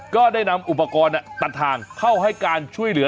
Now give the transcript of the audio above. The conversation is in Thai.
ก็ได้นำอุปกรณ์ตัดทางเข้าให้การช่วยเหลือ